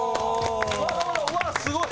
うわっすごい！